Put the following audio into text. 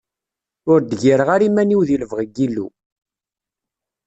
Ur d-gireɣ ara iman-iw di lebɣi n yilu.